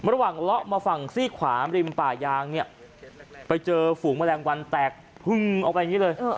เลาะมาฝั่งซี่ขวาริมป่ายางเนี่ยไปเจอฝูงแมลงวันแตกพึ่งออกไปอย่างนี้เลย